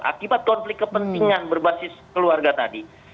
akibat konflik kepentingan berbasis keluarga tadi